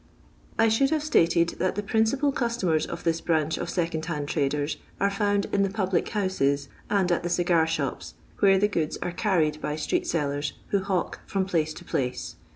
I should have stated tliat the principal ciu tomers of this branch of second hand traders are found in the public houses and at the cigar shops, where the goods are carried by street sellers, who hawk from place to place.